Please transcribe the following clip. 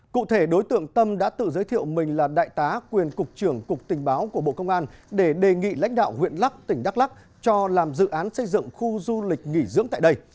cụ thể đối tượng tâm đã tự giới thiệu mình là đại tá quyền cục trưởng cục tình báo của bộ công an để đề nghị lãnh đạo huyện lắc tỉnh đắk lắc cho làm dự án xây dựng khu du lịch nghỉ dưỡng tại đây